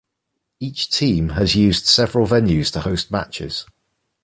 Each team has used several venues to host matches.